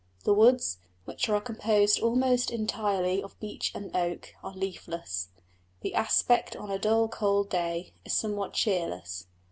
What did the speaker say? The woods, which are composed almost entirely of beech and oak, are leafless. The aspect on a dull cold day is somewhat cheerless.